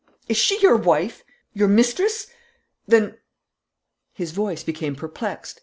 Is she your wife? Your mistress? Then " His voice became perplexed.